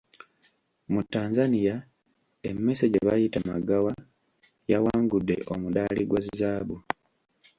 Mu Tanzania emmese gye bayita Magawa yawangudde omuddaali gwa zaabu.